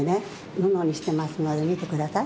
ぬのにしてますのでみてください。